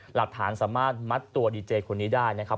หลักฐานสามารถมัดตัวดีเจคนนี้ได้นะครับ